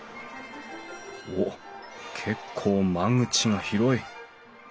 おっ結構間口が広い。